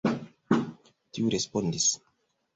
Tiu respondis.